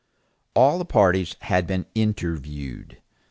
All the parties had been "interviewed."